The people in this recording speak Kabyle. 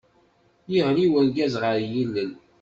Yeɣli urgaz ɣer yilel!